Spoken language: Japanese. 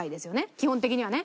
基本的にはね。